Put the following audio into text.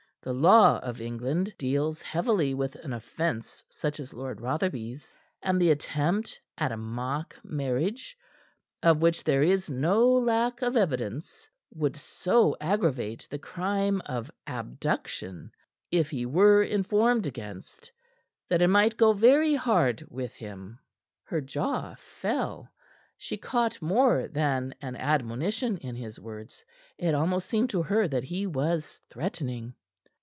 The law of England deals heavily with an offense such as Lord Rotherby's, and the attempt at a mock marriage, of which there is no lack of evidence, would so aggravate the crime of abduction, if he were informed against, that it might go very hard with him." Her jaw fell. She caught more than an admonition in his words. It almost seemed to her that he was threatening.